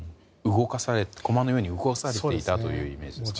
駒のように動かされていたというイメージですね。